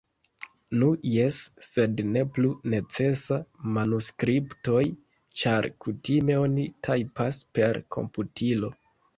Nu jes, sed ne plu necesas manuskriptoj, ĉar kutime oni tajpas per komputilo.